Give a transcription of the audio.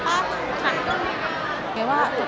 ตอบไปแจ้ใช่ป่ะ